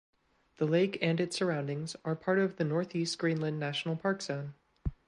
The lake and its surroundings are part of the Northeast Greenland National Park zone.